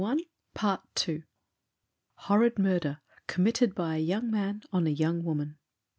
HORRID MURDER, Committed by a young Man on a young Woman.